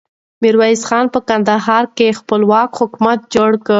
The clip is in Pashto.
ميرويس خان په کندهار کې خپلواک حکومت جوړ کړ.